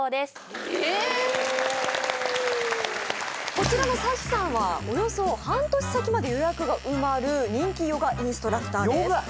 こちらのさきさんはおよそ半年先まで予約が埋まる人気ヨガインストラクターですヨガ？